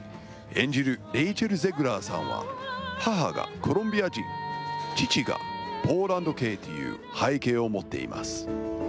演じるレイチェル・ゼグラーさんは、母がコロンビア人、父がポーランド系という背景を持っています。